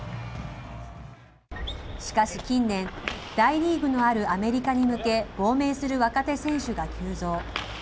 しかし近年、大リーグのあるアメリカに向け亡命する若手選手が急増。